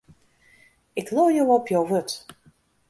Ik leau jo op jo wurd.